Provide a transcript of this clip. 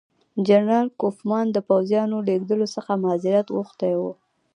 جنرال کوفمان د پوځیانو لېږلو څخه معذرت غوښتی وو.